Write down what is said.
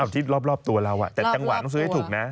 ที่รอบตัวเราแต่จังหวะต้องซื้อให้ถูกนะ